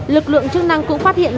lực lượng chức năng cũng phát hiện